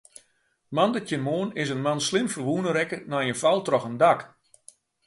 Moandeitemoarn is in man slim ferwûne rekke nei in fal troch in dak.